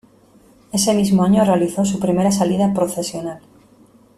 Ese mismo año realizó su primera salida procesional.